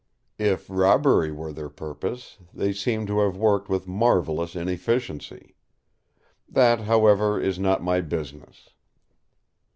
If robbery were their purpose, they seem to have worked with marvellous inefficiency. That, however, is not my business."